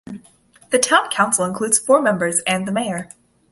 The town council includes four members and the mayor.